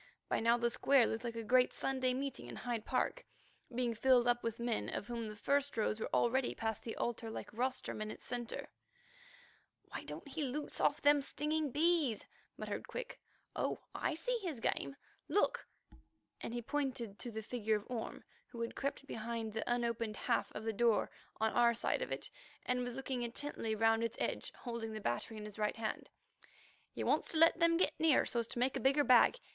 By now the square looked like a great Sunday meeting in Hyde Park, being filled up with men of whom the first rows were already past the altar like rostrum in its centre. "Why don't he loose off them stinging bees?" muttered Quick. "Oh! I see his little game. Look," and he pointed to the figure of Orme, who had crept behind the unopened half of the door on our side of it and was looking intently round its edge, holding the battery in his right hand. "He wants to let them get nearer so as to make a bigger bag.